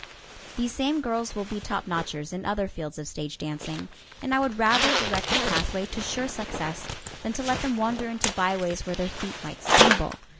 These same girls will be topnotchers in other fields of stage dancing, and I would rather direct their pathway to sure success than to let them wander into byways where their feet might stumble.